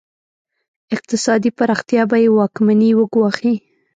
اقتصادي پراختیا به یې واکمني وګواښي.